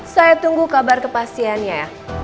saya tunggu kabar kepastiannya ya